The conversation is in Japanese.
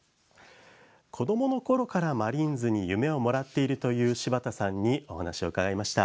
子どものころからマリーンズに夢をもらっているという柴田さんにお話を伺いました。